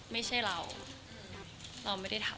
ไม่ใช่เราเราไม่ได้ทำ